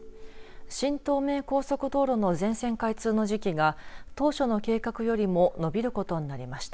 新東名高速道路の全線開通の時期が当初の計画よりも延びることになりました。